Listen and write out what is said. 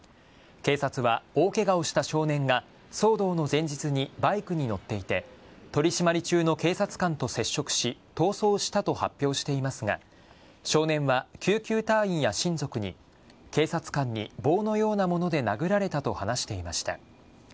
警察は、大ケガをした少年が騒動の前日にバイクに乗っていて取り締まり中の警察官と接触し逃走したと発表していますが少年は救急隊員や親族に警察官に棒のようなもので殴られたと話していました。